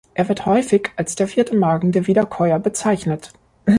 Er wird häufig als der „vierte Magen“ der Wiederkäuer bezeichnet.